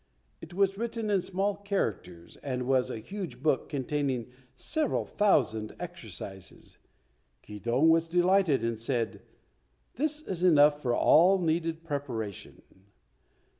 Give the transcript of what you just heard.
It was written in small characters, and was a huge book containing several thousand exercises. Keydong was delighted, and said, "This is enough for all needed preparation."